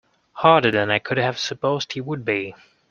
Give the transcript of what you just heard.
Harder than I could have supposed you would be.